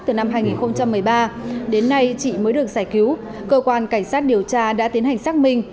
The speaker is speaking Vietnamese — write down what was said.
từ năm hai nghìn một mươi ba đến nay chị mới được giải cứu cơ quan cảnh sát điều tra đã tiến hành xác minh